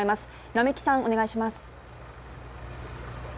並木さん、お願いします。